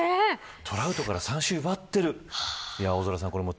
トラウトから三振を奪っているんです。